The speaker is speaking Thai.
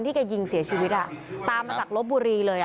แกยิงเสียชีวิตตามมาจากลบบุรีเลย